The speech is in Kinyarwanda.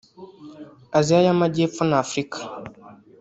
Aziya y’Amajyepfo na Afurika